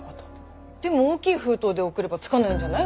でも大きい封筒で送ればつかないんじゃない？